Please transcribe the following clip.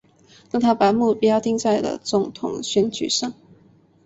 但他把目标定在了总统选举上。